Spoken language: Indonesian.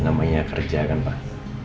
namanya kerja kan pak